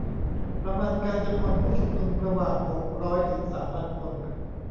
ประมาณการจำนวนผู้ชุมนุมระหว่างหกร้อยถึงสามพันคน